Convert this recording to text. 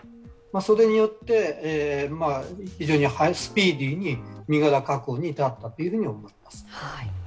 それによって非常にスピーディーに身柄確保に至ったと思います。